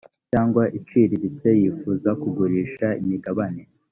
cyangwa iciriritse yifuza kugurisha imigabane